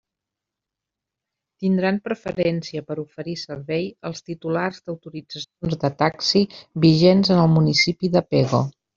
Tindran preferència per a oferir servei els titulars d'autoritzacions de taxi vigents en el municipi de Pego.